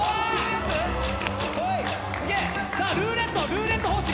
ルーレット方式。